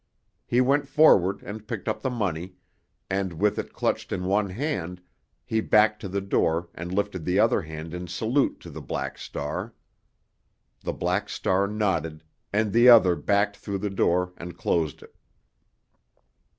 He went forward and picked up the money, and, with it clutched in one hand, he backed to the door and lifted the other hand in salute to the Black Star. The Black Star nodded, and the other backed through the door and closed it.